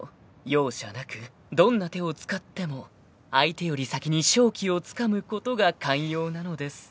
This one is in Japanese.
［容赦なくどんな手を使っても相手より先に勝機をつかむことが肝要なのです］